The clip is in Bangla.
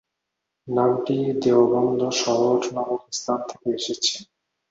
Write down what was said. নামটি দেওবন্দ শহর নামক স্থান থেকে এসেছে।